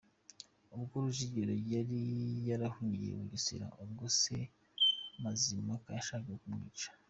ubwo Rujugira yari yarahungiye mu Bugesera ubwo se Mazimpaka yashakaga kumwica